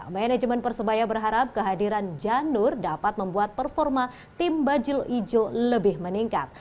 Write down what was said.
manajemen persebaya berharap kehadiran janur dapat membuat performa tim bajul ijo lebih meningkat